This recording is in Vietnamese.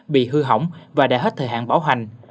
bị hư hỏng và đã hết thời hạn bảo hành